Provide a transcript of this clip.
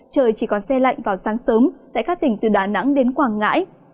trời chỉ còn xe lạnh vào sáng sớm tại các tỉnh từ đà nẵng đến quảng ngãi